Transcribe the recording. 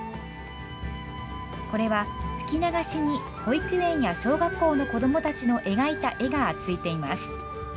これは吹き流しに保育園や小学校の子どもたちの描いた絵がついています。